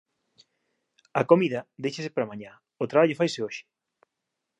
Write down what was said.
A comida déixase pra mañá, o traballo faise hoxe.